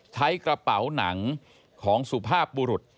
ใช้กระเป๋าหนังของสุภาพบุรุษ